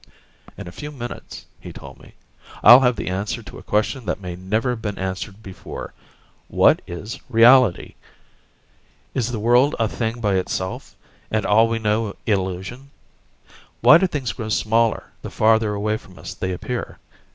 "In a few minutes," he told me, "I'll have the answer to a question that may never have been answered before: what is reality? Is the world a thing by itself, and all we know illusion? Why do things grow smaller the farther away from us they appear?